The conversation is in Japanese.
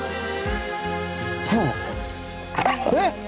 えっ！